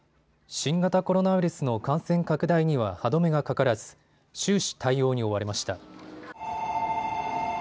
新型コロナウイルスの感染拡大には歯止めがかからず終始、対応に追われました。